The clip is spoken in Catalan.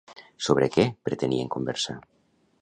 Sobre què pretenien conversar?